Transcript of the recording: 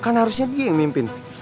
kan harusnya dia yang mimpin